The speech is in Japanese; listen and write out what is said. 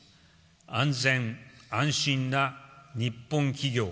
安全・安心な日本企業。